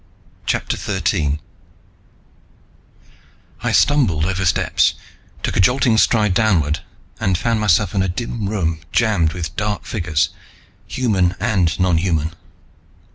CHAPTER THIRTEEN I stumbled over steps, took a jolting stride downward, and found myself in a dim room jammed with dark figures, human and nonhuman.